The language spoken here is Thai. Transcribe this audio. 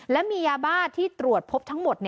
และมียาบ้าที่ตรวจพบทั้งหมด